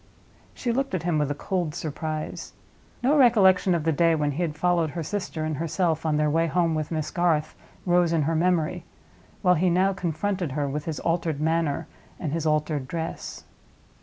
She looked at him with a cold surprise. No recollection of the day when he had followed her sister and herself on their way home with Miss Garth rose in her memory, while he now confronted her, with his altered manner and his altered dress.